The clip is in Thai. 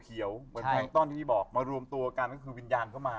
เหมือนแพงต้อนที่พี่บอกมารวมตัวกันก็คือวิญญาณเข้ามา